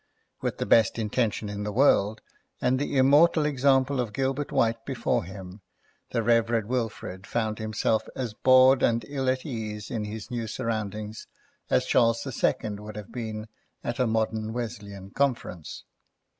With the best intention in the world and the immortal example of Gilbert White before him, the Rev. Wilfrid found himself as bored and ill at ease in his new surroundings as Charles II would have been at a modern Wesleyan Conference.